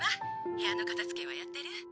部屋のかたづけはやってる？